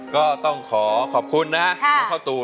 ก็ต้องขอขอบคุณนะน้องข้าวตู